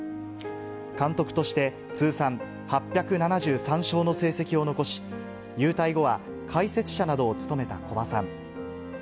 監督として通算８７３勝の成績を残し、勇退後は、解説者などを務めた古葉さん。